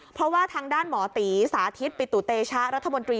เพราะว่าทางด้านหมอตีสาธิตปิตุเตชะรัฐมนตรี